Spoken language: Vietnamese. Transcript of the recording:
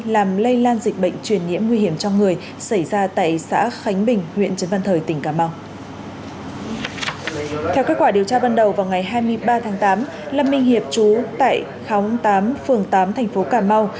lâm minh hiệp chú tại khóng tám phường tám thành phố cà mau